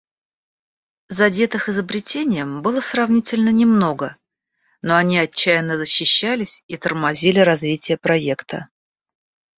Задетых изобретением было сравнительно немного, но они отчаянно защищались и тормозили развитие проекта.